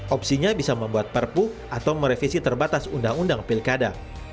opsinya bisa membuat perpu atau merevisi terbatas undang undang pilkada